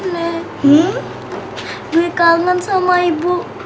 nek dwi kangen sama ibu